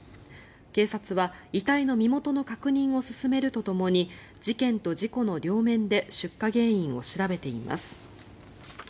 警察は遺体の身元の確認を進めるとともに事件と事故の両面で出火原因を調べています。